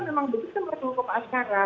memang begitu itu merupakan hukum asara